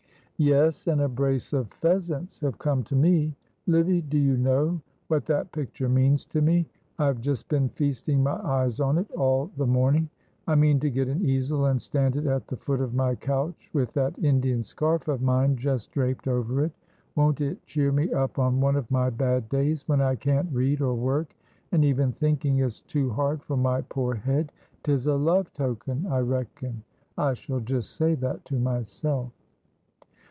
"Yes, and a brace of pheasants have come to me. Livy, do you know what that picture means to me? I have just been feasting my eyes on it all the morning. I mean to get an easel and stand it at the foot of my couch, with that Indian scarf of mine just draped over it; won't it cheer me up on one of my bad days when I can't read or work, and even thinking is too hard for my poor head? ''Tis a love token, I reckon,' I shall just say that to myself."